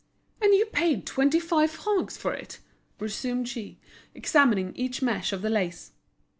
"And you paid twenty five francs for it?" resumed she, examining each mesh of the lace.